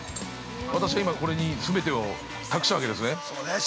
◆私は今、これにすべてを託したわけですね。